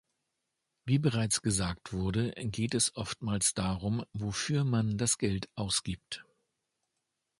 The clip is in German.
Wie bereits gesagt wurde, geht es oftmals darum, wofür man das Geld ausgibt.